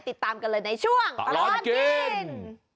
ติดตามกันเลยในช่วงตลอดกิน